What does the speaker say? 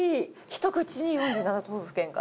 ひと口に４７都道府県が。